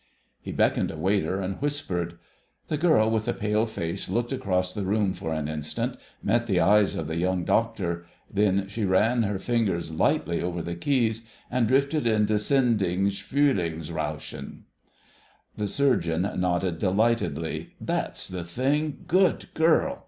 He beckoned a waiter and whispered. The girl with the pale face looked across the room and for an instant met the eyes of the Young Doctor; then she ran her fingers lightly over the keys and drifted into Sinding's Frühlingsrauschen. The Surgeon nodded delightedly. "That's the thing.... Good girl.